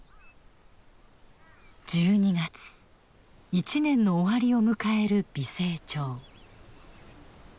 一年の終わりを迎える美星町。